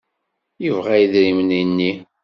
Yebɣa idrimen-nni.